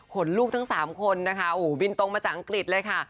ลูกทั้ง๓คนนะคะบินตรงมาจากอังกฤษเลยค่ะ